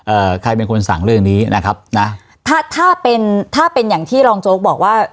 ใครเป็นคนสั่งเรื่องนี้นะครับนะถ้าถ้าเป็นถ้าเป็นอย่างที่รองโจ๊กบอกว่า